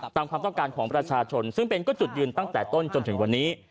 ความต้องการของประชาชนซึ่งเป็นก็จุดยืนตั้งแต่ต้นจนถึงวันนี้